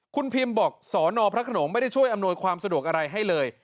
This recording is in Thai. คุณพิมบอกสอนอพระขนงไม่ได้ช่วยอำนวยความสะดวกอะไรให้เลย